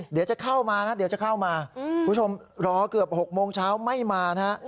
เดี๋ยวจะเข้ามาพระคุณผู้ชมรอเกือบ๖โมงเช้าไม่มานะ